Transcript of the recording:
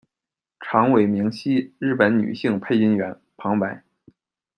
长尾明希，日本女性配音员、旁白。